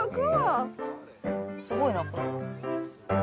すごいなこれ。